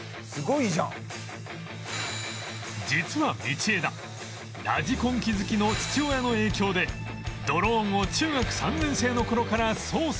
実は道枝ラジコン機好きの父親の影響でドローンを中学３年生の頃から操作しており